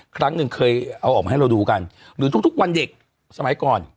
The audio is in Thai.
ครั้งหนึ่งเคยเอาออกมาให้เราดูกันหรือทุกวันเด็กสมัยก่อน